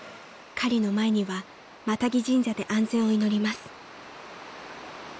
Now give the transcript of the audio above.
［狩りの前にはマタギ神社で安全を祈ります］